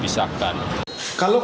proses hukum yang berlaku